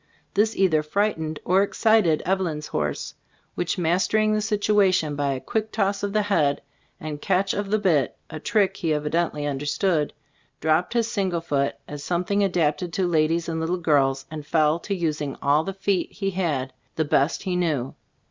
This either frightened or ex cited Eveline's horse, which, master ing the situation by a quick toss of the head, and catch of the bit (a trick he evidently understood), dropped his single foot as something adapted to ladies and little girls, and fell to us ing all the feet he had, the best he knew.